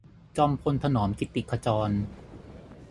จอมพลถนอม กิตติขจร